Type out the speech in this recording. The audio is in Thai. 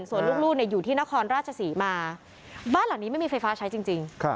ส่วนลูกอยู่ที่นครราชศรีมาบ้านหลังนี้ไม่มีไฟฟ้าใช้จริง